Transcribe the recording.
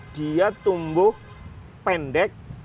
dia tumbuh pendek